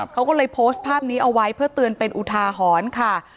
เขาก็เลยโพสต์ภาพนี้เอาไว้เพื่อเตือนเป็นอุทาหรณ์ค่ะ